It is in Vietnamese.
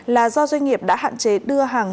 là do doanh nghiệp đã hạn chế đưa hàng